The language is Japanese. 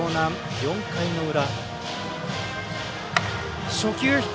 ４回の裏。